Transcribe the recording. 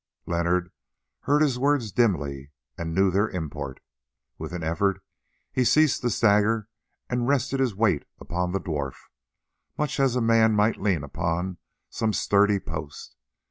Leonard heard his words dimly and knew their import. With an effort he ceased to stagger and rested his weight upon the dwarf, much as a man might lean upon some sturdy post.